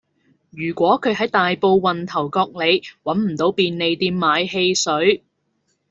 如果佢喺大埔運頭角里搵唔到便利店買汽水